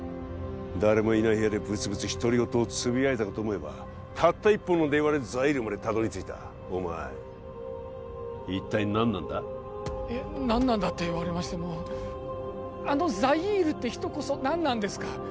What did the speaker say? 誰もいない部屋でブツブツ独り言をつぶやいたかと思えばたった一本の電話でザイールまでたどり着いたお前一体何なんだえっ何なんだって言われましてもあのザイールって人こそ何なんですか？